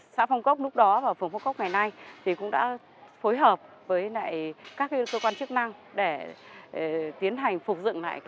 xã phong cốc lúc đó và phường phong cốc ngày nay cũng đã phối hợp với các cơ quan chức năng để tiến hành phục dựng lại lễ hội